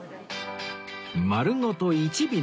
丸ごと１尾の鮎